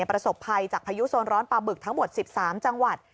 ประสบภัยจากพายุโซนร้อนปลาบึกทั้งหมด๑๓จังหวัด